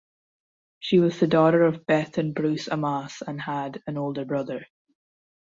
She was the daughter of Beth and Bruce Amas and had an older brother.